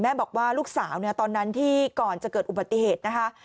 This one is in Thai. บอกว่าลูกสาวตอนนั้นที่ก่อนจะเกิดอุบัติเหตุนะคะ